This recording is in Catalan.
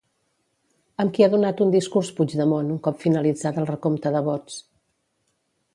Amb qui ha donat un discurs Puigdemont un cop finalitzat el recompte de vots?